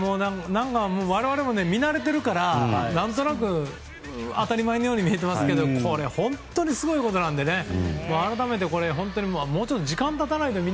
我々も見慣れてるから何となく当たり前のように見えていますけどこれは本当にすごいことなので改めて、本当にもうちょっと時間が経たないとね。